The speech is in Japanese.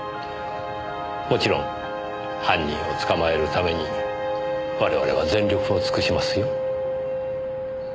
もちろん犯人を捕まえるために我々は全力を尽くしますよ。